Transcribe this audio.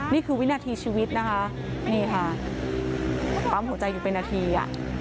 นี่คือวินาทีชีวิตนะคะนี่ค่ะปั๊มหัวใจอยู่เป็นนาทีอ่ะ